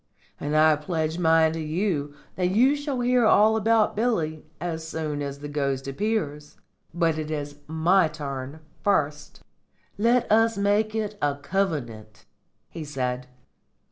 "And I pledge mine to you that you shall hear all about Billy as soon as the ghost appears. But it is my turn first." "Let us make it a covenant," he said.